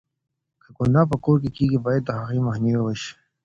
که گناه په کور کې کېږي، بايد د هغې مخنيوی وشي.